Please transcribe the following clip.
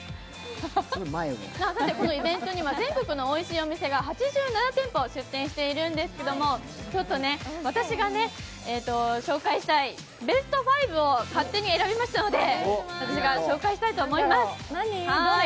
このイベントには全国のおいしいお店が８７店舗出展しているんですけれども、私が紹介したいベスト５を勝手に選びましたので紹介したいと思います。